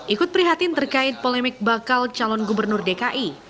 ikut prihatin terkait polemik bakal calon gubernur dki